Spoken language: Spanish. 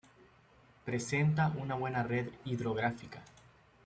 Presenta una buena red hidrográfica.